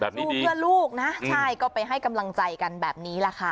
สู้เพื่อลูกนะใช่ก็ไปให้กำลังใจกันแบบนี้แหละค่ะ